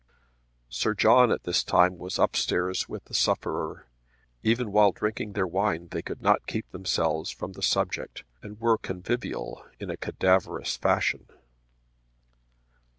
Sir John at this time was up stairs with the sufferer. Even while drinking their wine they could not keep themselves from the subject, and were convivial in a cadaverous fashion.